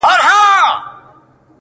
د نيمي شپې د خاموشۍ د فضا واړه ستـوري-